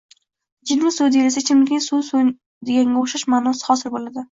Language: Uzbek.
Ichimlik suvi deyilsa, ichimlikning suvi suvning suvi deganga oʻxshash maʼno hosil boʻladi